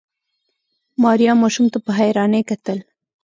ماريا ماشوم ته په حيرانۍ کتل.